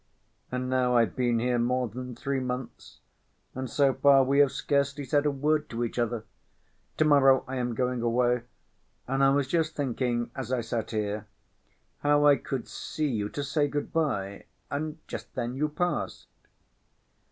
And now I've been here more than three months, and so far we have scarcely said a word to each other. To‐morrow I am going away, and I was just thinking as I sat here how I could see you to say good‐by and just then you passed."